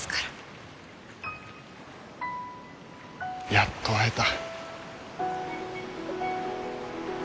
やっと会えた。